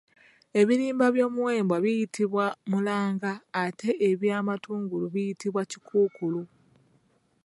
Ebirimba by’omuwemba biyitibwa Mulanga ate eby’amatungulu biyitibwa Kikuukuulu.